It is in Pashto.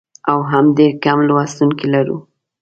او هم ډېر کم لوستونکي لرو.